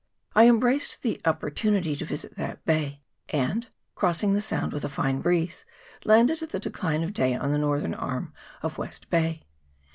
I embraced the oppor tunity to visit that bay, and, crossing the sound with a fine breeze, landed at the decline of day on the northern arm of West Bay.